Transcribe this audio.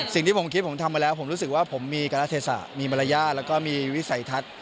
สิ่งที่ผมคิดผมทำมาแล้วผมรู้สึกว่าผมมีการละเทศะมีมารยาทแล้วก็มีวิสัยทัศน์